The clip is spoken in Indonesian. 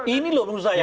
ini loh menurut saya